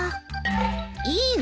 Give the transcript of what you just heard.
いいの？